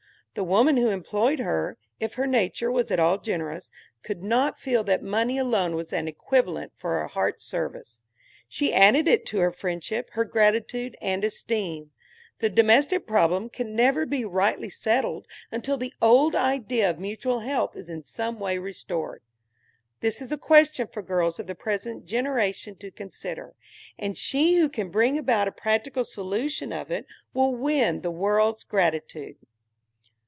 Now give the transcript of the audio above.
The woman who employed her, if her nature was at all generous, could not feel that money alone was an equivalent for a heart's service; she added to it her friendship, her gratitude and esteem. The domestic problem can never be rightly settled until the old idea of mutual help is in some way restored. This is a question for girls of the present generation to consider, and she who can bring about a practical solution of it will win the world's gratitude.